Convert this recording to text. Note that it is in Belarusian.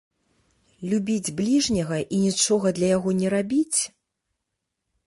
Любіць бліжняга і нічога для яго не рабіць?